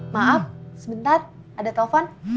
maaf sebentar ada telepon